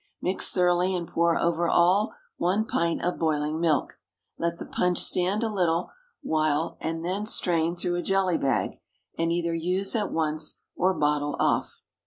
Mix thoroughly, and pour over all one pint of boiling milk. Let the punch stand a little while, then strain through a jelly bag, and either use at once, or bottle off.